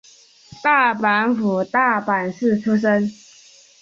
大阪府大阪市出身。